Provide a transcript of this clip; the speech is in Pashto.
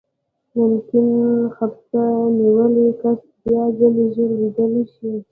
ممکن خپسه نیولی کس بیاځلې ژر ویده نه شي.